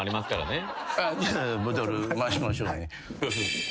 ボトル回しましょうね。